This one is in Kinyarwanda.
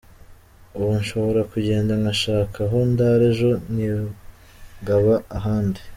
Ubu nshobora kugenda ngashaka aho ndara ejo nkigaba ahandi.